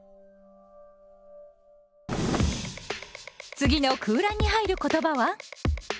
次の空欄に入る言葉は？